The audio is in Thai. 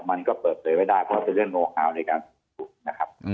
มันก็เปิดเผยไม่ได้เพราะว่าเป็นเรื่องโงคัลในการปรีบส่วน